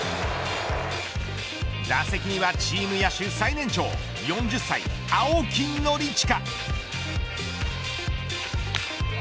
打席にはチーム野手最年長４０歳、青木宣親。